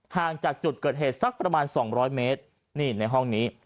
ห่างจากจุดเกิดเหตุสักประมาณ๒๐๐เมตรนี่ในห้องนี้